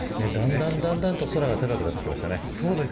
だんだん空が高くなってきましたね。